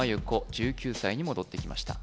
１９歳に戻ってきました